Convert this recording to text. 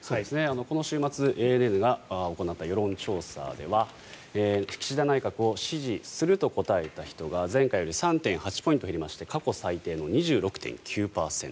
この週末ＡＮＮが行った世論調査では岸田内閣を支持すると答えた人が前回より３．８ポイント減りまして過去最低の２６．９％。